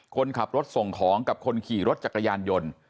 คนขับรถส่งของกับคนขี่รถจักรยานยนต์